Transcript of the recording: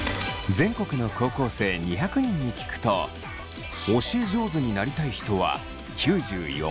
全国の高校生２００人に聞くと教え上手になりたい人は９４％。